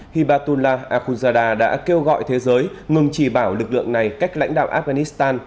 hibatullah akhundzada đã kêu gọi thế giới ngừng chỉ bảo lực lượng này cách lãnh đạo afghanistan